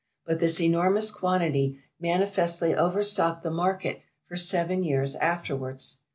But this enormous quantity manifestly overstocked the market for seven years afterwards.